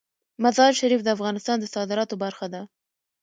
مزارشریف د افغانستان د صادراتو برخه ده.